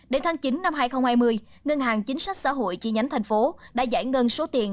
đến tháng chín năm hai nghìn hai mươi ngân hàng chính sách xã hội chi nhánh thành phố đã giải ngân số tiền